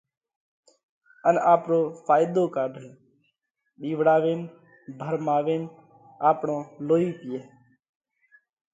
ان آپرو ڦائيۮو ڪاڍئه؟ ٻِيوَڙاوينَ، ڀرماوينَ آپڻو لوئِي پِيئه؟